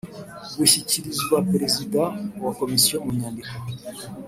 bushyikirizwa perezida wa komisiyo mu nyandiko